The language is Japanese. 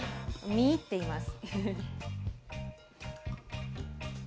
みいっています。